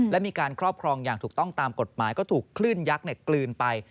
และมีการครอบครองอย่างถูกต้องตามกฎหมายก็ถูกคลื่นยักษ์กลืนไป